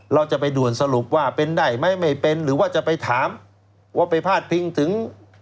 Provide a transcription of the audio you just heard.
เราจะไปด่วนสรุปว่าเป็นได้ไหมไม่เป็นหรือว่าจะไปถามว่าไปพาดพิงถึง